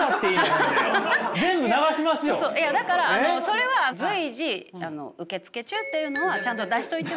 これさだからそれは随時受付中っていうのはちゃんと出しといて。